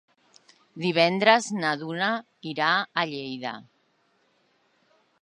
Divendres na Duna irà a Lleida.